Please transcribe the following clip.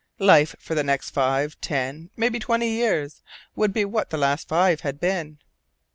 Life for the next five, ten, maybe twenty years, would be what the last five had been.